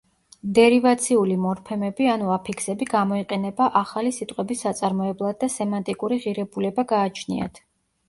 დერივაციული მორფემები ანუ აფიქსები გამოიყენება ახალი სიტყვების საწარმოებლად და სემანტიკური ღირებულება გააჩნიათ.